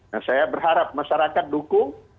nah saya berharap masyarakat dukung